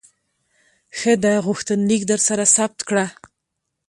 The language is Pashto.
ښه ده، غوښتنلیک درسره ثبت کړه.